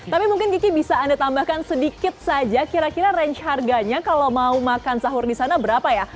tapi mungkin kiki bisa anda tambahkan sedikit saja kira kira range harganya kalau mau makan sahur di sana berapa ya